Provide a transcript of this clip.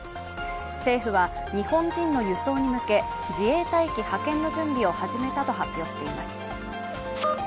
政府は日本人の輸送に向け自衛隊機派遣の準備を始めたと発表しています。